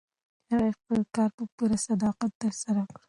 هغې خپل کار په پوره صداقت ترسره کړ.